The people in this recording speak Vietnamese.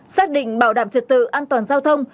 xác định bảo đảm trật tự an toàn giao thông